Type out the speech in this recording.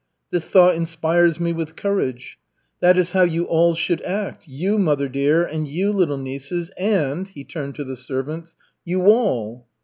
This thought inspires me with courage. That is how you all should act, you, mother dear, and you, little nieces, and " he turned to the servants "you all."